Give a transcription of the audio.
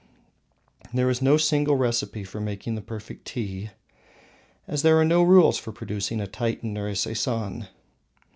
There is no single recipe for making the perfect tea, as there are no rules for producing a Titian or a Sesson.